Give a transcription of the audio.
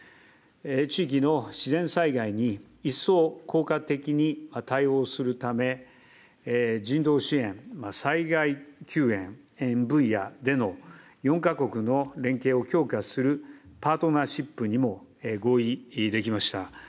地域の自然災害に一層効果的に対応するため、人道支援、災害救援分野での４か国の連携を強化するパートナーシップにも合意できました。